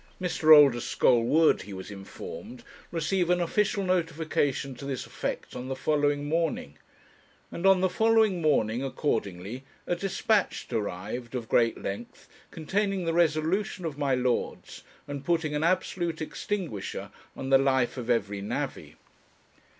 Mr. Oldeschole would, he was informed, receive an official notification to this effect on the following morning; and on the following morning accordingly a dispatch arrived, of great length, containing the resolution of my Lords, and putting an absolute extinguisher on the life of every navvy.